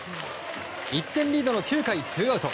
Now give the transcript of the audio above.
１点リードの９回ツーアウト